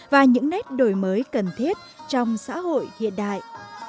và những nét đổi mới cần thiết trong xã hội hiện đại